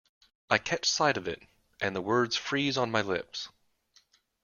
I catch sight of it, and the words freeze on my lips.